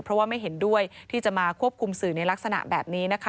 เพราะว่าไม่เห็นด้วยที่จะมาควบคุมสื่อในลักษณะแบบนี้นะคะ